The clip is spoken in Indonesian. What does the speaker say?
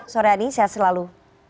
soreani sehat selalu